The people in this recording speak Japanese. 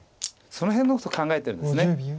その辺のこと考えてるんです。